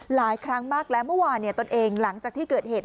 หลายครั้งมากแล้วเมื่อวานตนเองหลังจากที่เกิดเหตุ